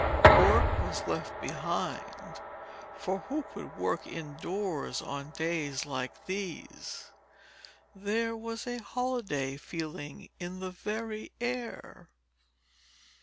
Work was left behind, for who could work indoors on days like these? There was a holiday feeling in the very air.